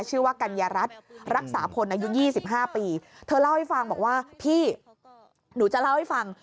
ชื่อว่ากัญญารัฐรักษาพลอายุ๒๕ปีเธอเล่าให้ฟังบอกว่าพี่หนูจะเล่าให้ฟัง